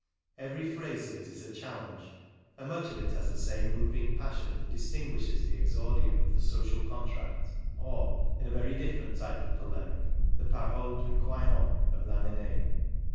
Every phrase of it is a challenge, and much of it has the same moving passion that distinguishes the exordium of the Social Contract or, in a very different type of polemic, the Paroles d'un Croyant of Lamennais.